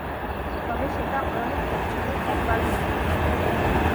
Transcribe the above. তবে সেটা অনেক বছরে একবার ঘটে।